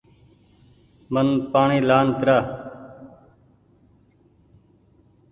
من پآڻيٚ لآن پيرآن